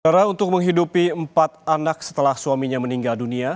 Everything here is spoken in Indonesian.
ra untuk menghidupi empat anak setelah suaminya meninggal dunia